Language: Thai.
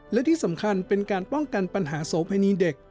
และที่สำคัญเป็นการป้องกันปัญหาโสเพณีเด็ก